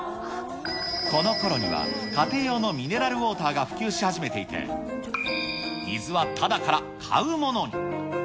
このころには家庭用のミネラルウォーターが普及し始めていて、水はただから買うものに。